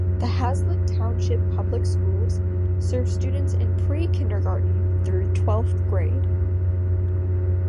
The Hazlet Township Public Schools serve students in pre-kindergarten through twelfth grade.